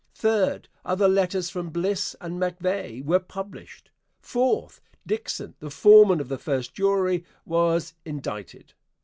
Third. Other letters from Bliss and MacVeagh were published. Fourth. Dixon, the foreman of the first jury, was indicted.